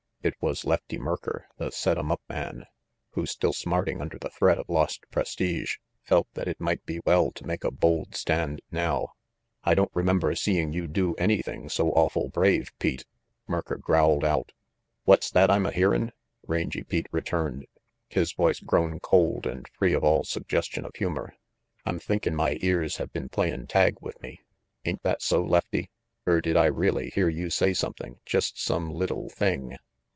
It was Lefty Merker, the set 'em up man, who, still smart ing under the threat of lost prestige, felt that it might be well to make a bold stand now. "I don't remember seeing you do anything so awful brave, Pete," Merker growled out. "What's that I'm a hearin'?" Rangy Pete returned, his voice grown cold and free of all sugges tion of humor. "I'm thinkin' my ears have been playing tag with me. Ain't that so, Lefty, er did I really hear you say something, just some little thing?"